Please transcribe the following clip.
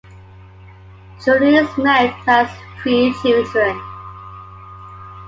Truly is married and has three children.